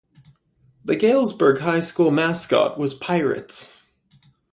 The Galesburg High School mascot was Pirates.